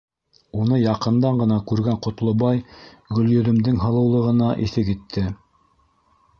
Уны яҡындан ғына күргән Ҡотлобай Гөлйөҙөмдөң һылыулығына иҫе китте.